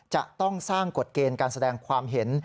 จะต้องสร้างกฎเกณฑ์การแสดงความเห็น